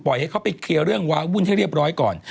ให้เขาไปเคลียร์เรื่องว้าวุ่นให้เรียบร้อยก่อน